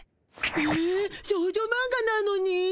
ええ少女マンガなのに？